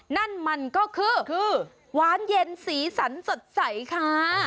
นั่นมันก็คือคือหวานเย็นสีสันสดใสค่ะ